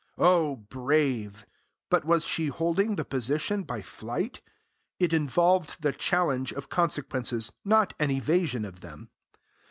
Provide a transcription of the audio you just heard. O brave! But was she holding the position by flight? It involved the challenge of consequences, not an evasion of them.